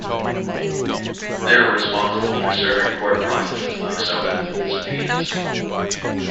They are responsible for serving court processes like summonses and subpoenas.